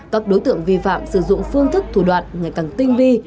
các đối tượng vi phạm sử dụng phương thức thủ đoạn ngày càng tinh vi